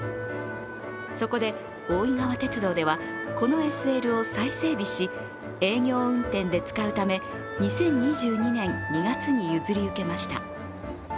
そこで大井川鉄道では、このＳＬを再整備し、営業運転で使うため２０２２年２月に譲り受けました。